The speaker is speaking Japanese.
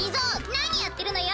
なにやってるのよ。